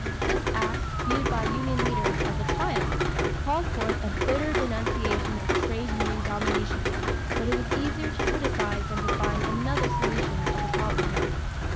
This act, viewed by union leaders as a triumph, called forth a bitter denunciation of "trade union domination," but it was easier to criticize than to find another solution of the problem.